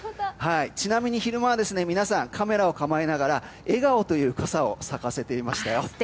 ちなみに昼間は皆さん、カメラを構えながら笑顔という傘を咲かせていましたよ。